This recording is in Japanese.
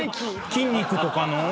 筋肉とかの？